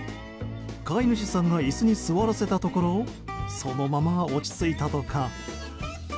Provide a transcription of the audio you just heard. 飼い主さんが椅子に座らせたところそのまま、落ち着いたとか。